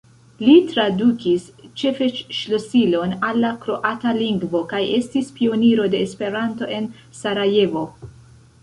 Li tradukis Ĉefeĉ-ŝlosilon al la kroata lingvo kaj estis pioniro de Esperanto en Sarajevo.